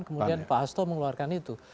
kemudian pak hasto mengeluarkan itu